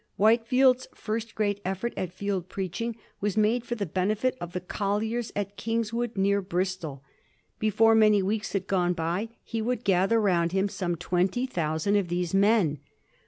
Whitefield's first great effort at field preaching was made for the benefit of the colliers at Kingswood, near Bristol. Before many weeks had gone by, he could gather round him some twenty thousand of these men.